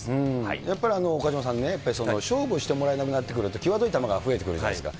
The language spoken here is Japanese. やっぱり岡島さんね、やっぱり勝負をしてもらえなくなってくると、きわどい球が増えてくるじゃないですか。